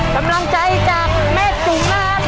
กำลังใจจากแม่จุ๋มนะครับ